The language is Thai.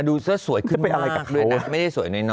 ดูเสื้อสวยขึ้นมากเลยนะ